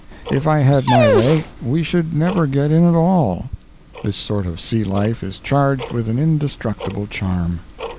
If I had my way we should never get in at all. This sort of sea life is charged with an indestructible charm.